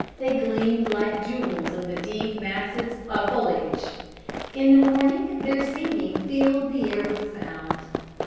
They gleamed like jewels in the deep masses of foliage. In the morning their singing filled the air with sound.